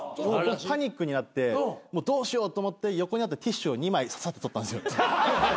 パニックになってどうしようと思って横にあったティッシュを２枚ささっと取ったんすよ。